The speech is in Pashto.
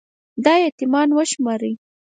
دا يـتـيـمـان وشمارئ